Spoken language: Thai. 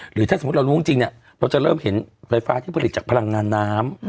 หรือถ้าสมมุติเรารู้จริงเนี่ยเราจะเริ่มเห็นไฟฟ้าที่ผลิตจากพลังงานน้ำ